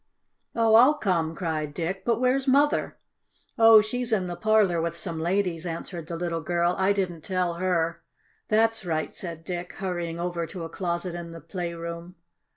"Oh, I'll come!" cried Dick. "But where's Mother?" "Oh, she's in the parlor with some ladies," answered the little girl. "I didn't tell her." "That's right," said Dick, hurrying over to a closet in the playroom.